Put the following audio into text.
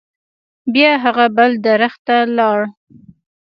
بیا هغه بل درخت ته لاړ.